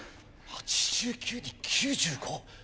８９に９５？